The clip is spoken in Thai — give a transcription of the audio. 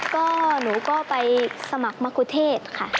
ก็หนูก็ไปสมัครมะกุเทศค่ะ